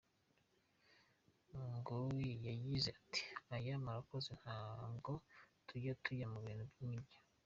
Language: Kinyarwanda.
Ngo yagize ati “Oya murakoze, ntabwo tujya tujya mu bintu nk’ibyo.